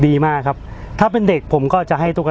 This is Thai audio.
พี่ชอบจริงบอกว่าชอบทุก